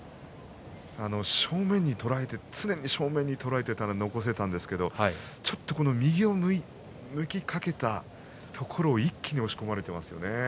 正面に捉えて常に正面に捉えていたら残せていたんですが右を向きかけたところを一気に押し込まれていますよね。